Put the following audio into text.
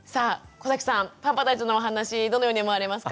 小さんパパたちのお話どのように思われますか？